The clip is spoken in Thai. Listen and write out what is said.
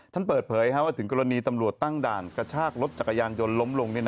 ท่านเปิดเผยว่าถึงกรณีตำรวจตั้งด่านกระชากรถจักรยานยนต์ล้มลง